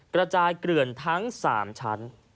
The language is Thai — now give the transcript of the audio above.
กระจายเกลื่อนทั้ง๓ชั้น